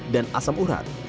dan asam urat